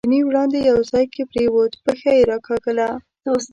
چیني وړاندې یو ځای کې پرېوت، پښه یې راکاږله.